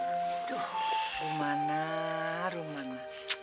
aduh rumana rumana